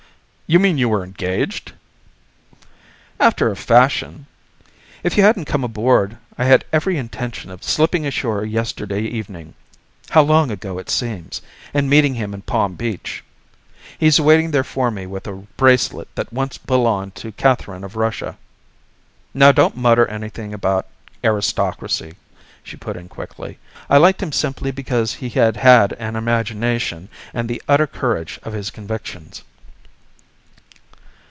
"You mean you were engaged?" "After a fashion. If you hadn't come aboard I had every intention of slipping ashore yesterday evening how long ago it seems and meeting him in Palm Beach. He's waiting there for me with a bracelet that once belonged to Catherine of Russia. Now don't mutter anything about aristocracy," she put in quickly. "I liked him simply because he had had an imagination and the utter courage of his convictions."